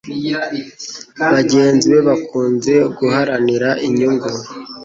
bagenzi be bakunze guharanira inyungu